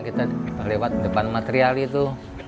kita lewat depan material itu